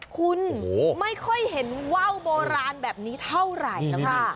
คุณไม่ค่อยเห็นว้าวโบราณแบบนี้เท่าไรนะคะ